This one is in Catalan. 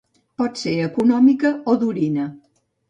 Pot ser econòmica o d'orina.